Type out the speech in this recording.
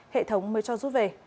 hệ thống mới cho rút về